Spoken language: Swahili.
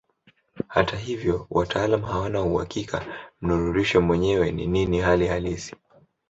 Hata hivyo wataalamu hawana uhakika mnururisho mwenyewe ni nini hali halisi.